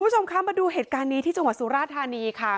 คุณผู้ชมคะมาดูเหตุการณ์นี้ที่จังหวัดสุราธานีค่ะ